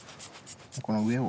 この上を。